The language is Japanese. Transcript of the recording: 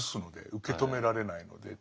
受け止められないので。